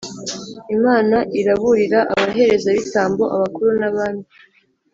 Imana iraburira abaherezabitambo, abakuru n’abami